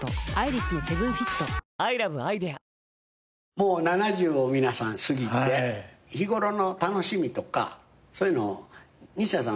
もう７０を皆さん過ぎて日頃の楽しみとかそういうの西田さん